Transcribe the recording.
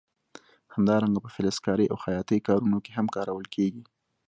همدارنګه په فلزکارۍ او خیاطۍ کارونو کې هم کارول کېږي.